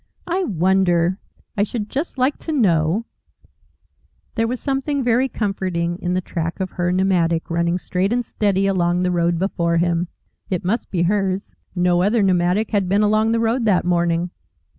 "I WONDER I should just like to know " There was something very comforting in the track of HER pneumatic running straight and steady along the road before him. It must be hers. No other pneumatic had been along the road that morning.